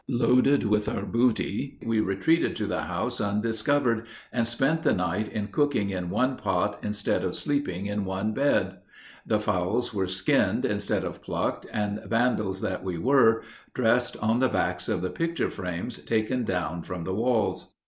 Loaded with our booty we retreated to the house undiscovered, and spent the night in cooking in one pot instead of sleeping in one bed. The fowls were skinned instead of plucked, and, vandals that we were, dressed on the backs of the picture frames taken down from the walls.